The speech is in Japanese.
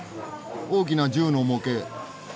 大きな銃の模型。